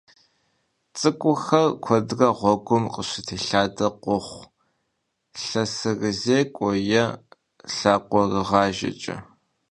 Цӏыкӏухэр куэдрэ гъуэгум къыщытелъадэ къохъу лъэсырызекӀуэу е лъакъуэрыгъажэкӏэ.